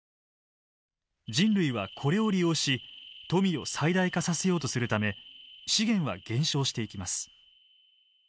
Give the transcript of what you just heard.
人類はこれを利用し富を最大化させようとするため資源は減少していきます。